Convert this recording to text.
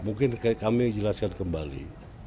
mungkin kami jelaskan kembali